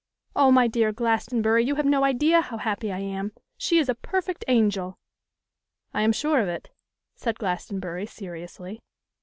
O! my dear Glastonbury, you have no idea how happy I am. She is a perfect angel.' 'I am sure of it,' said Glastonbury, seriously.